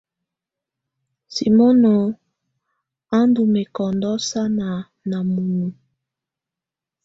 Simono á ndɔ́ mɛ́kɔndɔ́ sánà ná munuǝ.